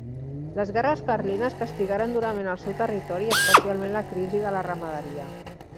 Les guerres carlines castigaren durament el seu territori i especialment la crisi de la ramaderia.